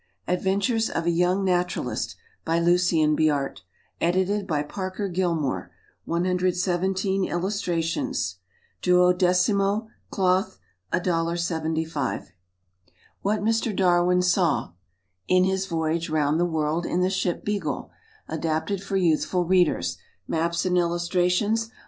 Adventures of a Young Naturalist. By LUCIEN BIART. Edited by PARKER GILLMORE. 117 Illustrations. 12mo, Cloth, $1.75. What Mr. Darwin Saw In his Voyage Round the World in the Ship "Beagle." Adapted for Youthful Readers. Maps and Illustrations.